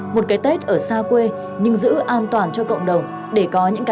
một cái tết ở xa quê nhưng giữ an toàn cho cộng đồng